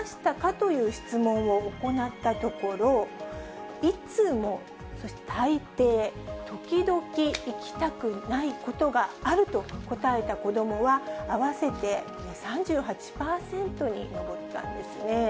という質問を行ったところ、いつも、そして大抵、時々行きたくないことがあると答えた子どもは、合わせて３８％に上ったんですね。